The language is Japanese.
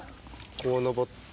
こう昇って。